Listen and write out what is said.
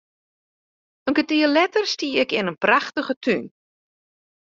In kertier letter stie ik yn in prachtige tún.